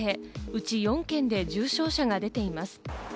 うち４件で重傷者が出ています。